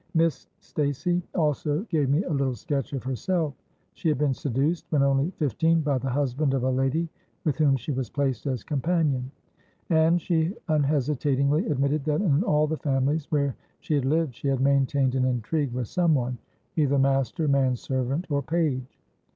Miss Stacey also gave me a little sketch of herself. She had been seduced, when only fifteen, by the husband of a lady with whom she was placed as companion; and she unhesitatingly admitted that in all the families where she had lived, she had maintained an intrigue with some one, either master, man servant, or page.